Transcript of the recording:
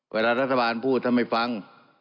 เวลารัฐบาลพูดถ้าไม่ฟัง